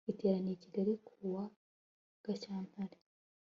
iteraniye i kigali kuwa gashyantare